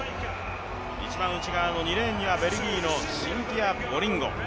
一番内側の２レーンにはベルギーのシンティア・ボリンゴ。